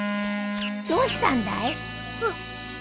どうしたんだい？